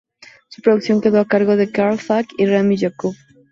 Su producción quedó a cargo de Carl Falk y Rami Yacoub.